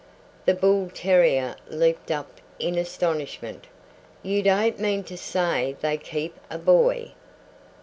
The bull terrier leaped up in astonishment. "You don't mean to say they keep a boy?"